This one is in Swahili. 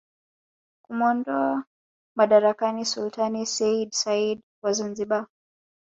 kumuondoa madarakani Sultani seyyid said wa Zanzibar